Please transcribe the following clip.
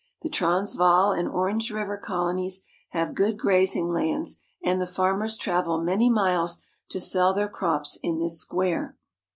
The Transvaal and Orange River colonies have good grazing lands, and the farmers travel many miles to sell their crops in this square.